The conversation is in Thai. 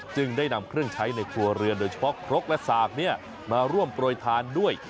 จึงได้นำเครื่องใช้ในครัวเรือนโดยเฉพาะครกและสากมาร่วมโปรยทานด้วย